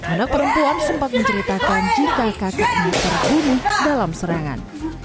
anak perempuan sempat menceritakan jika kakaknya terbunuh dalam serangan